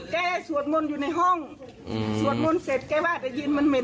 แกสวดมนต์อยู่ในห้องสวดมนต์เสร็จแกว่าได้ยินมันเหม็นแก๊สมันเหม็น